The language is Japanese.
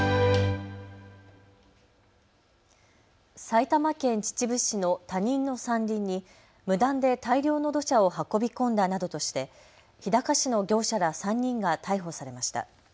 埼玉県秩父市の他人の山林に無断で大量の土砂を運び込んだなどとして日高市の業者ら３人が逮捕されました。